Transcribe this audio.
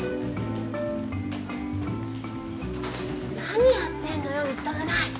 何やってんのよみっともない。